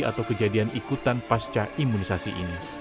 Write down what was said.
atau kejadian ikutan pasca imunisasi ini